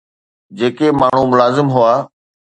جيڪي ماڻهو ملازم هئا